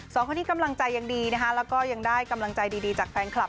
สองคนนี้กำลังใจยังดีนะคะแล้วก็ยังได้กำลังใจดีจากแฟนคลับ